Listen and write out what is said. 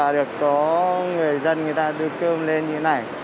được có người dân người ta đưa cơm lên như vậy